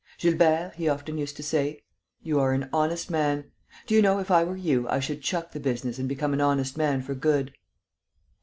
"Gilbert," he often used to say, "you are an honest man. Do you know, if I were you, I should chuck the business and become an honest man for good."